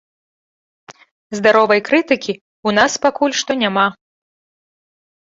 Здаровай крытыкі ў нас пакуль што няма.